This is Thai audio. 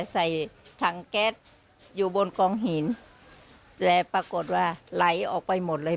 ใส่ถังแก๊สอยู่บนกองหินและปรากฏว่าไหลออกไปหมดเลย